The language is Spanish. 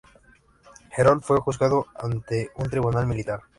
Herold fue juzgado ante un tribunal militar.